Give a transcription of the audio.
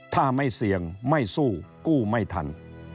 ถ้าไม่เสี่ยงไม่สู้กู้ไม่ทัน